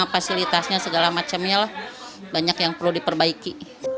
fasilitasnya segala macamnya lah banyak yang perlu diperbaiki